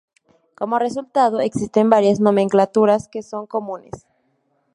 Como resultado, existen varias nomenclaturas que son comunes.